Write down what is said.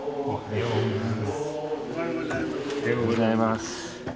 おはようございます。